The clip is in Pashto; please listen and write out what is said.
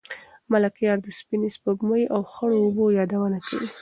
ملکیار د سپینې سپوږمۍ او خړو اوبو یادونه کوي.